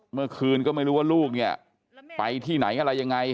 เมื่อคืนก็ไม่รู้ว่าลูกเนี่ยไปที่ไหนอะไรยังไง